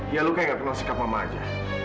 ya lo kayak gak kenal sikap mama aja